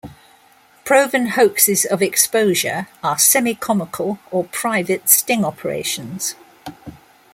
"Proven hoaxes of exposure" are semi-comical or private sting operations.